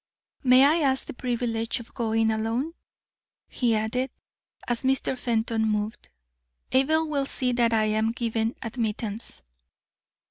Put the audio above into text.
"May I ask the privilege of going alone?" he added, as Mr. Fenton moved. "Abel will see that I am given admittance."